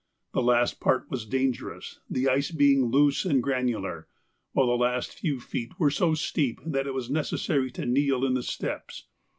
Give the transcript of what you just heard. The last part was dangerous, the ice being loose and granular, while the last few feet were so steep that it was necessary to kneel in the steps.